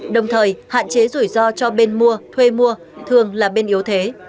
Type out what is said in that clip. đồng thời hạn chế rủi ro cho bên mua thuê mua thường là bên yếu thế